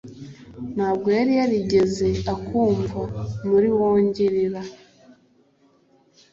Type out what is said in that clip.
Ntabwo yari yarigeze akwumva muri wongorera